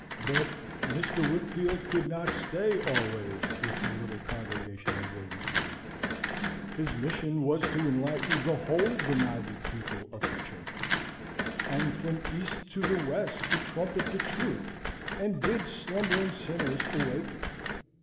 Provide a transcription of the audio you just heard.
But Mr. Whitfield could not stay always with the little congregation of Williamsburg. His mission was to enlighten the whole benighted people of the Church, and from the East to the West to trumpet the truth and bid slumbering sinners awaken.